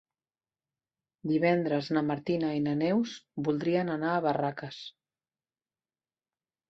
Divendres na Martina i na Neus voldrien anar a Barraques.